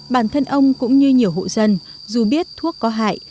bản thân ông cũng như nhiều hộ dân dù biết thuốc có hại